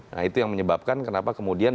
nah itu yang menyebabkan kenapa kemudian